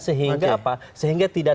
sehingga apa sehingga tidak